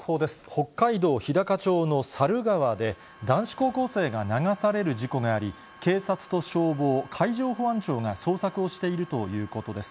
北海道日高町の沙流川で、男子高校生が流される事故があり、警察と消防、海上保安庁が捜索をしているということです。